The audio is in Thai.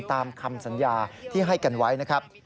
ตามคำสัญญาที่ให้กันไว้นะครับ